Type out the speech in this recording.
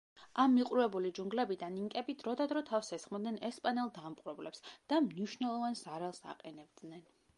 ამ მიყრუებული ჯუნგლებიდან ინკები დროდადრო თავს ესხმოდნენ ესპანელ დამპყრობლებს და მნიშვნელოვან ზარალს აყენებდნენ.